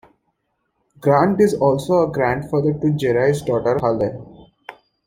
Grant is also a grandfather to Jerai's daughter, Halle.